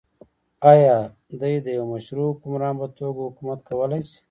آیا دی د يوه مشروع حکمران په توګه حکومت کولای شي؟